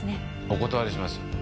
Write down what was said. お断りします。